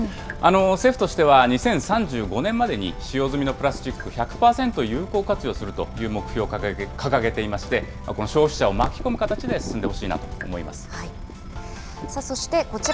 政府としては、２０３５年までに使用済みのプラスチック１００％有効活用するという目標を掲げていまして、この消費者を巻き込む形で進んでほしそして、こちら。